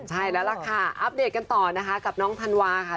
ใช่แล้วล่ะค่ะอัปเดตกันต่อนะคะกับน้องธันวาค่ะ